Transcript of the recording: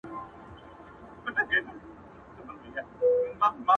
هر څوک يې د خپلې پوهې له مخې تفسيروي،